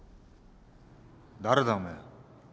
誰だおめえ？